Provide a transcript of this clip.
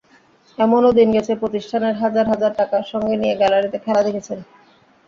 এমনও দিন গেছে, প্রতিষ্ঠানের হাজার-হাজার টাকা সঙ্গে নিয়ে গ্যালারিতে খেলা দেখেছেন।